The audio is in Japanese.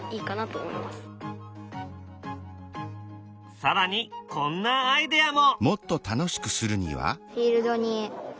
更にこんなアイデアも！